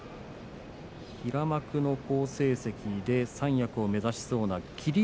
平幕の好成績で三役を目指しそうな霧